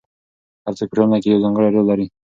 هر څوک په ټولنه کې یو ځانګړی رول لري.